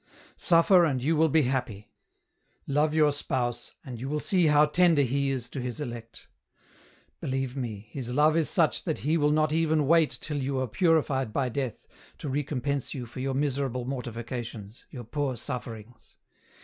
" Suffer and you will be happy ; love your spouse, and you will see how tender He is to His elect. Believe me, His love is such that He will not even wait till you are purified by death to recompense you for your miserable mortifications, your poor sufferings.